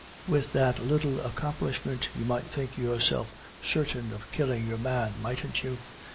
With that little accomplishment you might think yourself certain of killing your man, mightn't you.